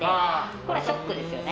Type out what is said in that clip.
それはショックですよね。